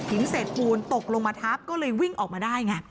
หินเสียงคล้านตกลงมาทัพก็เลยวิ่งออกมาได้ไง